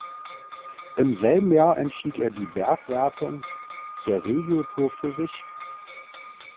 Im selben Jahr entschied er die Bergwertung der Regio-Tour für sich.